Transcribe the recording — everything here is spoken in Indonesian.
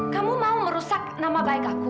kamu mau merusak nama baik aku